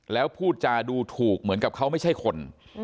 แล้วพูดจาดูถูกเหมือนกับเขาไม่ใช่คน